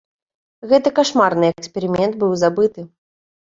Гэты кашмарны эксперымент быў забыты.